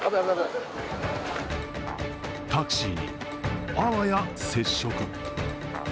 タクシーに、あわや接触。